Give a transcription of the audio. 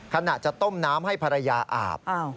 ขณะจะต้มน้ำให้ภรรยาอาบ